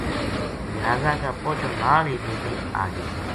جنازا کا پوہچن نال ہی ویہ بھی آ گیا۔